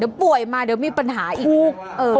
เดี๋ยวป่วยมันมีปัญหาอีก